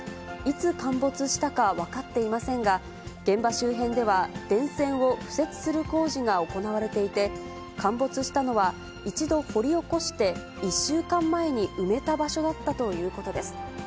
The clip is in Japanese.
いつ陥没したか分かっていませんが、現場周辺では電線を敷設する工事が行われていて、陥没したのは一度掘り起こして１週間前に埋めた場所だったということです。